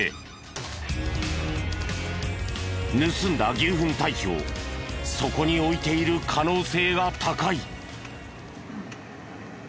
盗んだ牛ふん堆肥をそこに置いている可能性が高い。